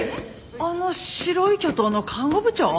あの白い巨塔の看護部長！？